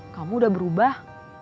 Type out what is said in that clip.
kamu udah berubah